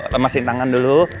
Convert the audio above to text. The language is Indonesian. lemasin tangan dulu